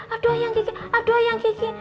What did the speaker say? aduh ayang kiki aduh ayang kiki